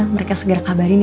mereka segera kabarin ya